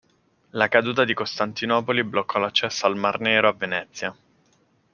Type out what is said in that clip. La caduta di Costantinopoli bloccò l'accesso al Mar Nero a Venezia.